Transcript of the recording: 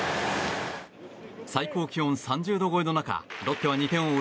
最高気温３０度超えの中ロッテは２点を追う